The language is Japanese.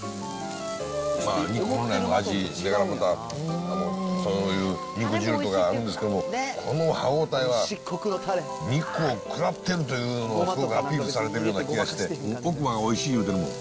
肉本来の味、そういう肉汁とかあるんですけど、この歯応えは、肉を食らってるっていうのをすごくアピールされてるような気がして、奥歯がおいしい言うてるもん。